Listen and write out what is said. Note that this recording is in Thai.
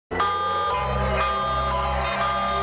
โปรดติดตามตอนต่อไป